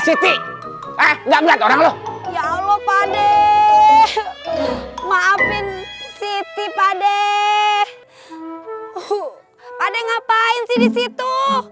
siti enggak melihat orang lo ya allah pade maafin siti pade pade ngapain sih disitu